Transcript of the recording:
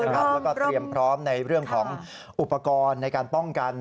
แล้วก็เตรียมพร้อมในเรื่องของอุปกรณ์ในการป้องกัน